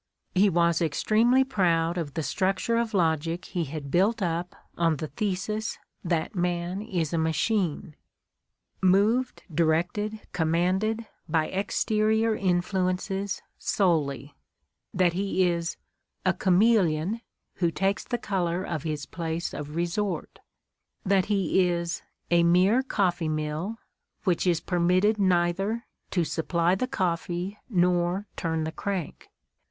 He was extremely proud of the structure of logic he had built up on the thesis that man is a machine, "moved, directed, commanded by exterior in fluences, solely," that he is "a chameleon, who takes the color of his place of resort," that he is "a mere coffee mill," which is permitted neither "to supply the coffee nor turn the crank."